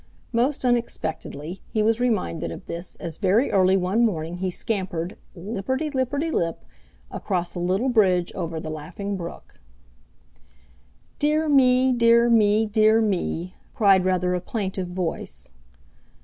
Most unexpectedly he was reminded of this as very early one morning he scampered, lipperty lipperty lip, across a little bridge over the Laughing Brook. "Dear me! Dear me! Dear me!" cried rather a plaintive voice.